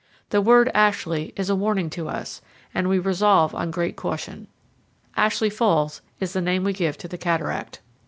The word "Ashley" is a warning to us, and we resolve on great caution. Ashley Falls is the name we give to the cataract.